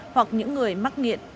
hoặc những người mắc nghiện